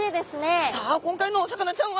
さあ今回のお魚ちゃんは。